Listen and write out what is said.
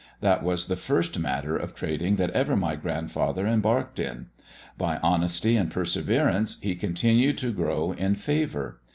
That was the first matter of trading that ever my grandfather embarked in. By honesty and perseverance, he continued to grow in favour.